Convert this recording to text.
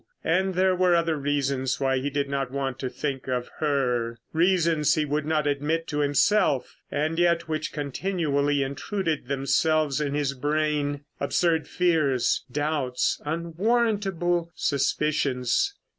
And there were other reasons why he did not want to think of her; reasons he would not admit to himself, and yet which continually intruded themselves in his brain. Absurd fears; doubts; unwarrantable suspicions.